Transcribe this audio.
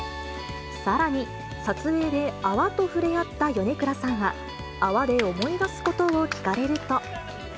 さらに、撮影で泡と触れ合った米倉さんは、泡で思い出すことを聞かれると。